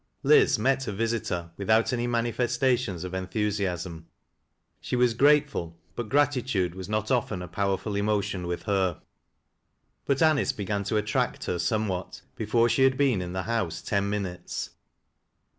Liz met her visitor without any manifestations of enthnsiasni. She was grateful, but gratitude was not often a powerful emotion with her. But Anice began to attract her somewhat before she had been in the house ten minutes.